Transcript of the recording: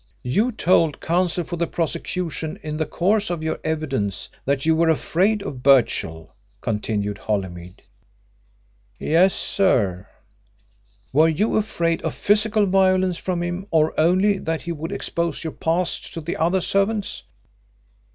"You told Counsel for the prosecution in the course of your evidence that you were afraid of Birchill," continued Holymead. "Yes, sir." "Were you afraid of physical violence from him, or only that he would expose your past to the other servants?"